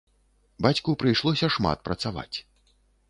Бацьку прыйшлося шмат працаваць.